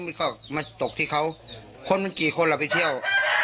มันก็มาตกที่เขาคนมันกี่คนเราไปเที่ยว